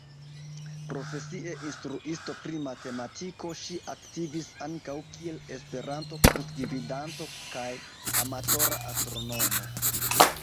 Profesie instruisto pri matematiko, ŝi aktivis ankaŭ kiel Esperanto-kursgvidanto kaj amatora astronomo.